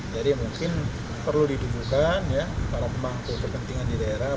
jadi mungkin perlu didudukan para pembangku kepentingan di daerah